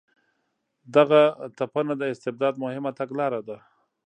دغه تپنه د استبداد مهمه تګلاره ده.